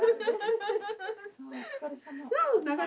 お疲れさま。